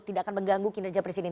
tidak akan mengganggu kinerja presiden